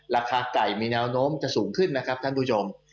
ราคาไก่มีแนวโน้มจะสูงขึ้นนะครับท่านผู้ชม